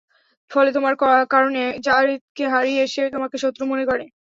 ফলে তোমার কারণে যারীদকে হারিয়ে সে তোমাকে শত্রু মনে করে।